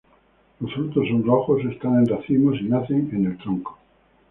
Los frutos son rojos, están en racimos y nacen en el tronco.